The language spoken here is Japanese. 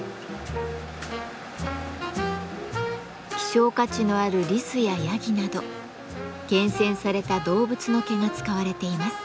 希少価値のあるリスやヤギなど厳選された動物の毛が使われています。